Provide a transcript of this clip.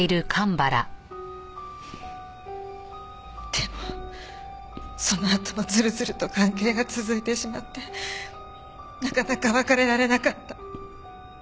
でもそのあともずるずると関係が続いてしまってなかなか別れられなかった。